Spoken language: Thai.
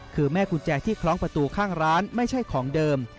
คือแม่กุญแจที่คล้องประตูข้างร้านไม่ใช่ของเดิม